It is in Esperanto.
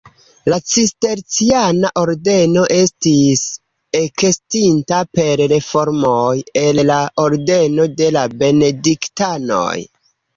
La Cisterciana ordeno estis ekestinta per reformoj el la ordeno de la Benediktanoj.